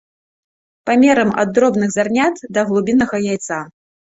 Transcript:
Памерам ад дробных зярнят да галубінага яйца.